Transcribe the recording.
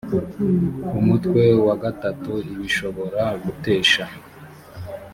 umutwe wa gatatu ibishobora gutesha